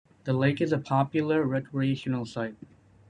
The lake is a popular recreational site.